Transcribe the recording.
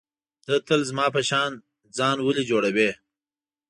ته تل زما په شان ځان ولي جوړوې.